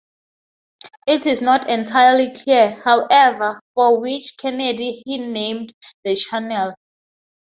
It is not entirely clear, however, for which Kennedy he named the channel.